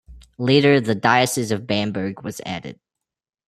Later, the diocese of Bamberg was added.